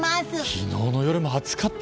昨日の夜も暑かった。